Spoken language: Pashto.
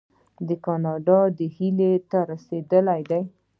او کاناډا دې هیلې ته رسیدلې ده.